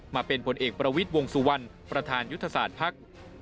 มาเป็นผลเอกประวิทย์วงสุวรรณประธานยุทธศาสตร์ภักดิ์